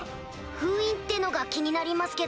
封印ってのが気になりますけど。